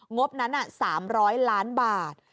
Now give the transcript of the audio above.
งบนั้น๓๐๐ล้านบาท